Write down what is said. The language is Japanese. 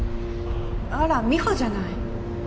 あら美穂じゃない。